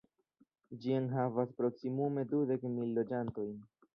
Ĝi enhavas proksimume dudek mil loĝantojn.